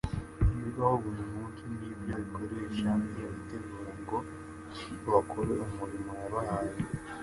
Ibibaho buri munsi, ni byo ikoresha ibategura ngo bakore umurimo yabahaye